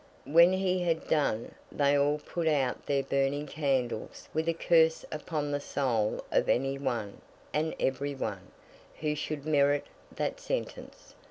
When he had done, they all put out their burning candles with a curse upon the soul of any one, and every one, who should merit that sentence.